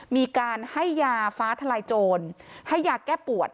มีการให้ยาฟ้าทลายโจรให้ยาแก้ปวด